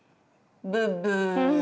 ブッブー。